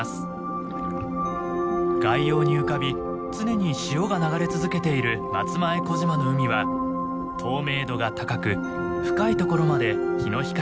外洋に浮かび常に潮が流れ続けている松前小島の海は透明度が高く深いところまで日の光が届きます。